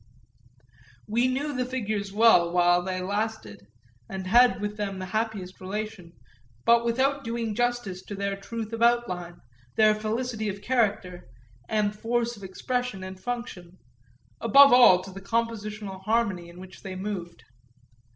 We knew the figures well while they lasted and had with them the happiest relation, but without doing justice to their truth of outline, their felicity of character and force of expression and function, above all to the compositional harmony in which they moved.